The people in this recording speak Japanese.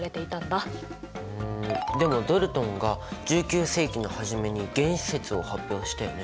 んでもドルトンが１９世紀の初めに「原子説」を発表したよね。